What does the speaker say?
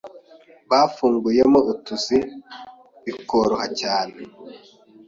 bafunguye mo utuzi bikoroha cyane